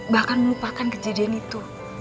bahkan melupakan kejadian itu